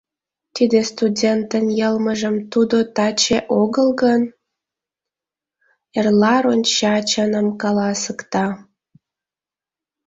Тиде студентын йылмыжым тудо таче огыл гын, эрла ронча, чыным каласыкта.